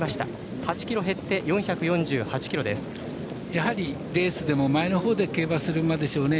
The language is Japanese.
やはり、レースでも前のほうで競馬する馬でしょうね。